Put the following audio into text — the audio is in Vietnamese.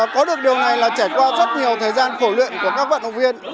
có được điều này là trải qua rất nhiều thời gian khổ luyện của các vận động viên